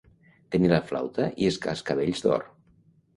Tenir la flauta i els cascavells d'or.